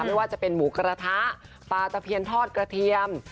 ไม่ว่าจะเป็นหมูกระทะปลาตะเพียนทอดกระเทียม